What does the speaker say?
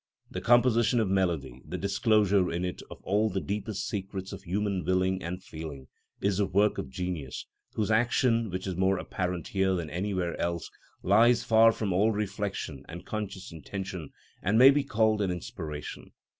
The composition of melody, the disclosure in it of all the deepest secrets of human willing and feeling, is the work of genius, whose action, which is more apparent here than anywhere else, lies far from all reflection and conscious intention, and may be called an inspiration.